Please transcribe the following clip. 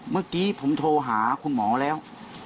เมื่อกี้ผมโทรหาคุณหมอแล้ว